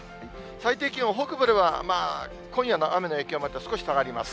最低気温、北部ではまあ、今夜の雨の影響もあって少し下がります。